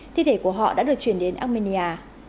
thi thể của họ đã được chuyển đến armenia